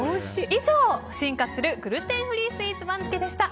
以上、進化するグルテンフリースイーツ番付でした。